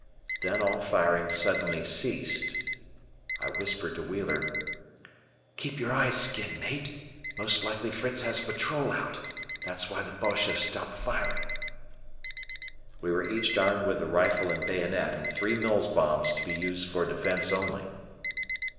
Then all firing suddenly ceased. I whispered to Wheeler, "Keep your eye skinned, mate, most likely Fritz has a patrol out, that's why the Boches have stopped firing." We were each armed with a rifle and bayonet and three Mills bombs to be used for defense only.